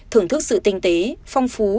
thưởng thức sự tinh tế phong phú